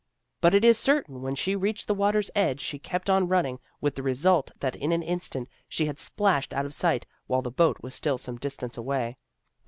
But it is certain when she reached the water's edge she kept on run ning, with the result that in an instant she had splashed out of sight, while the boat was still some distance away.